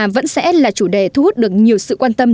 vẫn sẽ là chủ đề thu hút được nhiều sự quan tâm